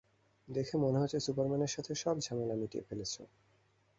দেখে মনে হচ্ছে সুপারম্যানের সাথে সব ঝামেলা মিটিয়ে ফেলেছ।